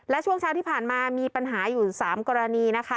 และช่วงเช้าที่ผ่านมามีปัญหาอยู่๓กรณีนะคะ